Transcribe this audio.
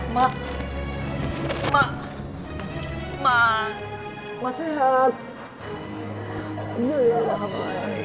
ma ikut senang teman teman yang belasakal